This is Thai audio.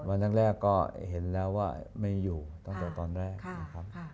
วันแรกก็เห็นแล้วว่าไม่อยู่ตั้งแต่ตอนแรกนะครับ